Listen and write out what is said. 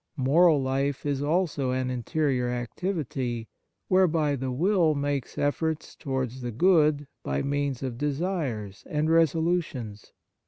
Moral life is also an interior activity, whereby the will makes efforts to wards the good by means of desires and resolutions.